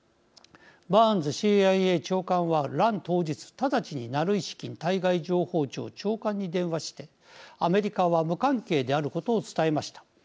バーンズＣＩＡ長官は乱当日直ちにナルイシキン対外情報庁長官に電話してアメリカは無関係であることを伝えました。